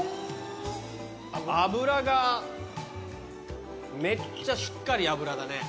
脂がめっちゃしっかり脂だね。